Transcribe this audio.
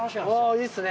いいですね！